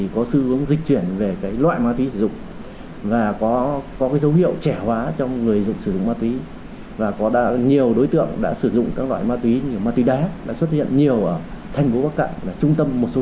có dấu hiệu là gia tăng